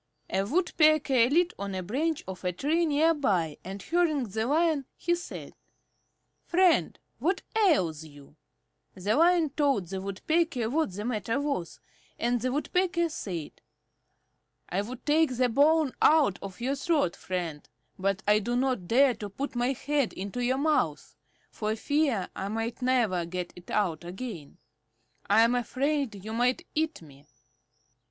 A Woodpecker lit on a branch of a tree near by, and hearing the Lion, she said, "Friend, what ails you?" The Lion told the Woodpecker what the matter was, and the Woodpecker said: "I would take the bone out of your throat, friend, but I do not dare to put my head into your mouth, for fear I might never get it out again. I am afraid you might eat me."